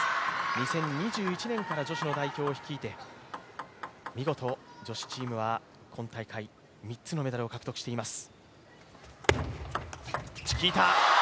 ２０２１年から女子の代表を率いて見事女子チームは今大会、３つのメダルを獲得しています。